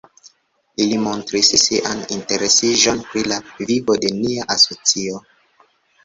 Ili montris sian interesiĝon pri la vivo de nia asocio.